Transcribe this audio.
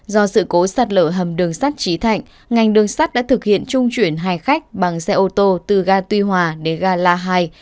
do sự cố sạt lở hầm đường sắt trí thạnh ngành đường sắt đã thực hiện trung chuyển hai khách bằng xe ô tô từ ga tuy hòa đến ga la hai